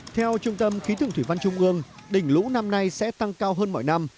theo trung tâm khí thưởng thủy văn trung ương đỉnh lũ năm nay sẽ tăng cao hơn mỗi năm